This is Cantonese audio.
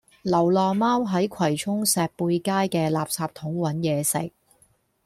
流浪貓喺葵涌石貝街嘅垃圾桶搵野食